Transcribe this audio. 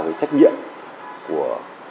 cái trách nhiệm của